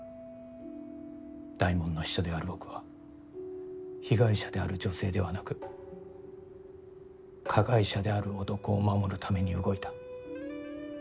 大門の秘書である僕は被害者である女性ではなく加害者である男を守るために動いた。